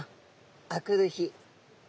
あくる日。